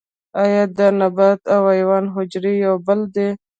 ایا د نبات او حیوان حجره یو ډول ده